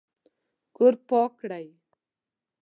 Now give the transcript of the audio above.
کور پاک کړئ